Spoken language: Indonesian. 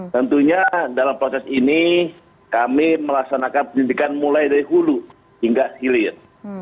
tentunya dalam proses ini kami melaksanakan pendidikan mulai dari hulu hingga hilir